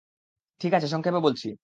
ঠিক আছে, সংক্ষেপে বলছি।